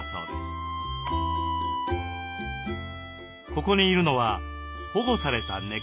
ここにいるのは保護された猫。